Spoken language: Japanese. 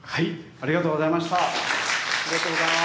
ありがとうございます。